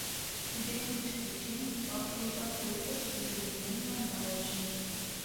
Кидем гыч кучен, вакшоза пӧртышкыжӧ вӱден наҥгайыш.